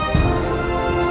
kita akan perempuan perempuan